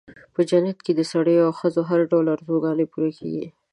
په جنت کې د سړیو او ښځو هر ډول آرزوګانې پوره کېږي.